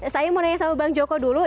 saya mau nanya sama bang joko dulu